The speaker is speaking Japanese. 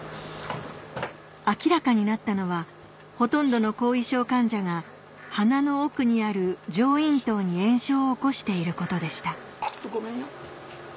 明らかになったのはほとんどの後遺症患者が鼻の奥にある上咽頭に炎症を起こしていることでした